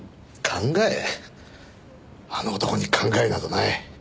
あの男に考えなどない。